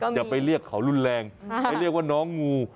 อย่าไปเรียกเขารุนแรงไปเรียกว่าน้องงู